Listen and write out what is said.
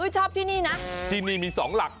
ชอบที่นี่นะที่นี่มี๒หลัก